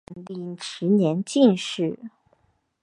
万历十年进士。